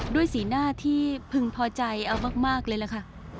ด้วยสีหน้าที่พึงพอใจมากเลยล่ะค่ะ